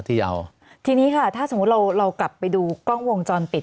ทีเอาทีนี้ค่ะถ้าสมมุติเราเรากลับไปดูกล้องวงจรปิด